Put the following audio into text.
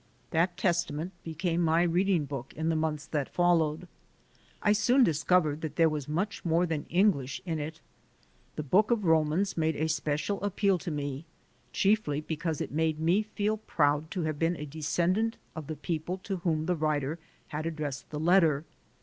That Testament became my reading book in the months that followed. I soon dis covered that there was much more than English in it. The book of Romans made a special appeal to me, chiefly because it made me feel proud to have been a descendant of the people to whom the writer had addressed the letter.